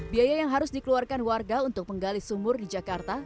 biaya yang harus dikeluarkan warga untuk menggali sumur di jakarta